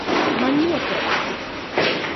Man noteikti.